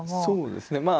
そうですね。